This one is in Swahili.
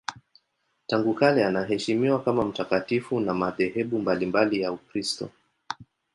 Tangu kale anaheshimiwa kama mtakatifu na madhehebu mbalimbali ya Ukristo.